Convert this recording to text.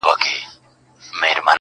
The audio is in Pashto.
ما خو پرېږده نن رویبار په وینو ژاړي-